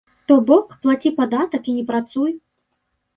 То бок, плаці падатак і не працуй!